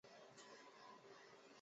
卢瓦尔河畔蒙路易。